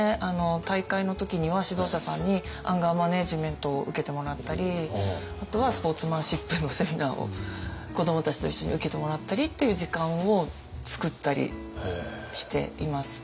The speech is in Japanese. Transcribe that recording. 大会の時には指導者さんにアンガーマネジメントを受けてもらったりあとはスポーツマンシップのセミナーを子どもたちと一緒に受けてもらったりっていう時間をつくったりしています。